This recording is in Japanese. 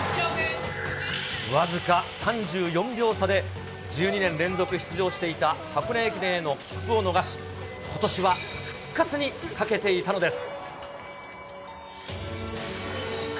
僅か３４秒差で、１２年連続出場していた箱根駅伝への切符を逃し、ことしは復活にかけていたのです。